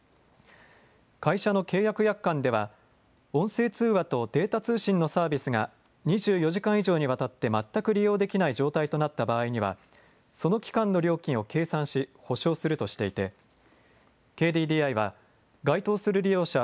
会社の契約約款では音声通話とデータ通信のサービスが２４時間以上にわたって全く利用できない状態となった場合にはその期間の料金を計算し補償するとしていてＫＤＤＩは該当する利用者